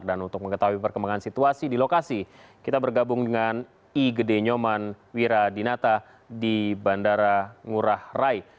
dan untuk mengetahui perkembangan situasi di lokasi kita bergabung dengan igede nyoman wiradinata di bandara ngurah rai